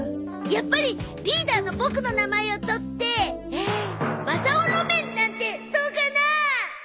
やっぱりリーダーのボクの名前を取ってマサオロメンなんてどうかなあ？